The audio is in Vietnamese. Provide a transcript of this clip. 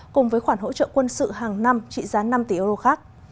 cùng với khoản hỗ trợ quân sự hàng năm trị giá năm tỷ euro khác